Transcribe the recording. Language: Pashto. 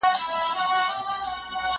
زه مخکي د کتابتون لپاره کار کړي وو؟